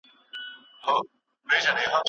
څراغونه د کوټو بېرته روښان شول